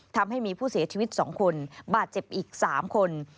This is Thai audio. ทำให้มีผู้เสียชีวิต๒คนบาดเจ็บอีก๓คน